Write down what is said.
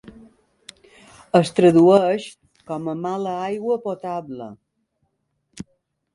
Es tradueix com a "mala aigua potable".